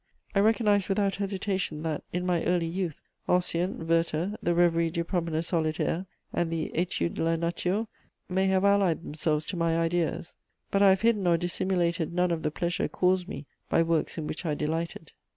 I recognise without hesitation that, in my early youth, Ossian, Werther, the Rêveries du promeneur solitaire and the Études de la nature may have allied themselves to my ideas; but I have hidden or dissimulated none of the pleasure caused me by works in which I delighted.